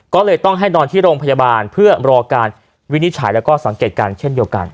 ก็เลยต้องให้นอนที่โรงพยาบาลเพื่อรอการวินิจฉัยแล้วก็สังเกตการณ์เช่นเดียวกัน